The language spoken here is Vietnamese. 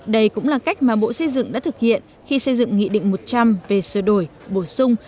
đây cũng là cách mà bộ xây dựng đã thực hiện khi xây dựng nghị định một trăm linh về sửa đổi bổ sung